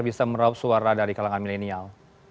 bisa meraup suara dari kalangan milenial